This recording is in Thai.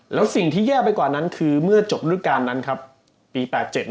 แล้วสิ่งที่แย่ไปกว่านั้นคือเมื่อจบรูปการณ์นั้นครับปี๘๗